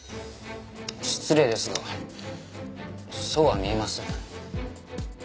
失礼ですがそうは見えません。